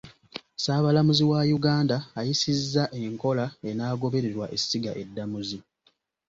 Ssaabalamuzi wa Uganda ayisizza enkola enaagobererwa essiga eddamuzi.